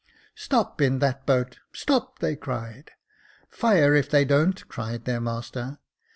" Stop in that boat ! stop !" they cried. " Fire, if they don't," cried their master.